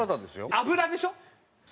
油でしょ？